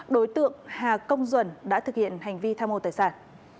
đối tượng hà công duẩn đã thực hiện hành vi tham mô tài sản